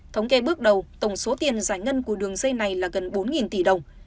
thống kê bước đầu tổng số tiền giải ngân của đường dây này là gần bốn tỷ đồng